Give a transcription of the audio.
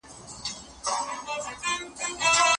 په جرګه کي د استدلال کلتور پر زور او قدرت غالبیږي.